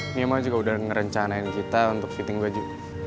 ini emang juga udah ngerencanain kita untuk fitting baju